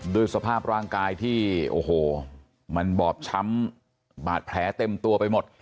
ด้วยสภาพร่างกายที่โอ้โหมันบอบช้ำบาดแผลเต็มตัวไปหมด